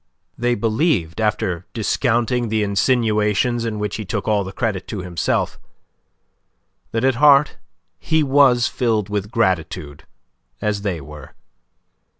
They believed, after discounting the insinuations in which he took all credit to himself, that at heart he was filled with gratitude, as they were.